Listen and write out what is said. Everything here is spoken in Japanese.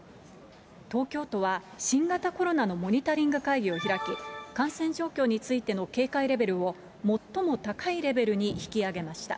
東京都は新型コロナのモニタリング会議を開き、感染状況についての警戒レベルを、最も高いレベルに引き上げました。